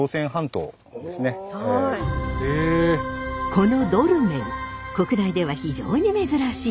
このドルメン国内では非常に珍しいもの。